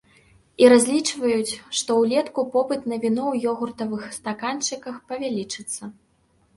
І разлічваюць, што ўлетку попыт на віно ў ёгуртавых стаканчыках павялічыцца.